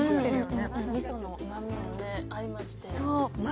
みそのうまみも相まって。